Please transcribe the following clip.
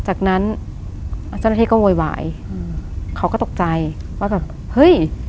จากนั้นเจ้าหน้าที่ก็โวยวายอืมเขาก็ตกใจว่าแบบเฮ้ย